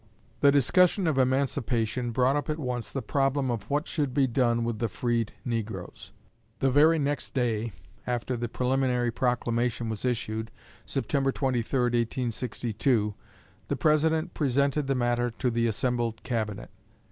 The discussion of Emancipation brought up at once the problem of what should be done with the freed negroes. The very next day after the preliminary proclamation was issued (September 23, 1862), the President presented the matter to the assembled Cabinet.